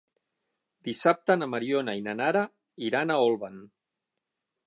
Dissabte na Mariona i na Nara iran a Olvan.